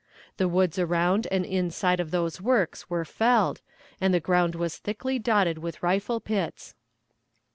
The woods around and inside of those works were felled, and the ground was thickly dotted with rifle pits.